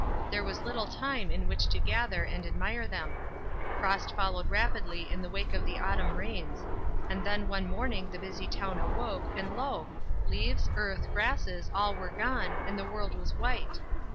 There was little time in which to gather and admire them. Frost fol lowed rapidly in the wake of the autumn rains ; and then one morning the busy town awoke, and lo ! leaves, earth, grasses, all were gone, and the world was white.